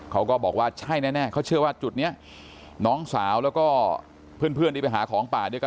เขาก็บอกว่าใช่แน่เขาเชื่อว่าจุดนี้น้องสาวแล้วก็เพื่อนที่ไปหาของป่าด้วยกัน